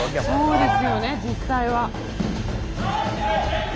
そうですよね実際は。